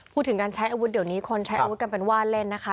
พูดถึงการใช้อาวุธเดี๋ยวนี้คนใช้อาวุธกันเป็นว่าเล่นนะคะ